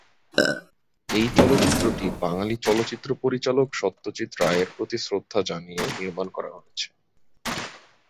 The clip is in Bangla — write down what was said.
এই চরিত্রটি বাঙালি চলচ্চিত্র পরিচালক সত্যজিৎ রায়ের প্রতি শ্রদ্ধা জানিয়ে নির্মাণ করা হয়েছে।